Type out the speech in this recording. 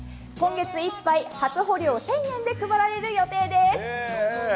今月いっぱい、初穂料１０００円で配られる予定です。